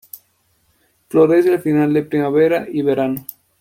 Florece a final de primavera y verano.